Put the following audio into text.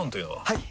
はい！